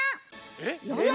えっ？